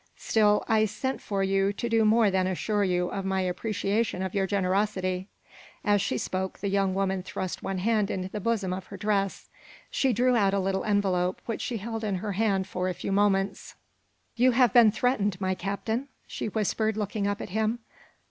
Still, I sent for you to do more than assure you of my appreciation of your generosity." As she spoke, the young woman thrust one hand into the bosom of her dress. She drew out a little envelope which she held in her hand for a few moments. "You have been threatened, my Captain?" she whispered, looking up at him.